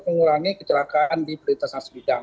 kami sudah lakukan untuk menekan angka sebidang